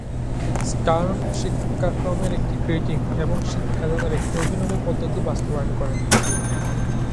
স্টার্ম শিক্ষাক্রমের একটি গ্রেডিং এবং শিক্ষাদানের একটি অভিনব পদ্ধতি বাস্তবায়ন করেন।